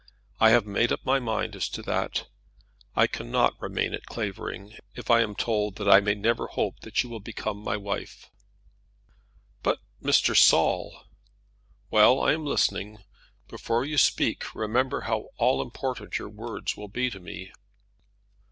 I have made up my mind as to that. I cannot remain at Clavering, if I am told that I may never hope that you will become my wife." "But, Mr. Saul " "Well; I am listening. But before you speak, remember how all important your words will be to me."